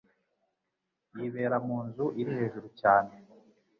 Yibera munzu iri hejuru yacu.